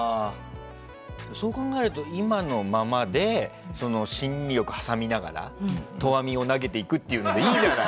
そう考えると今のままで森林浴を挟みながら投網を投げていくというのでいいじゃない。